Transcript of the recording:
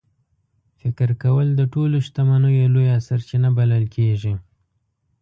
فکر کول د ټولو شتمنیو لویه سرچینه بلل کېږي.